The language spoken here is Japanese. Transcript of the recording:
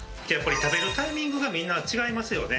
食べるタイミングがみんな違いますよね。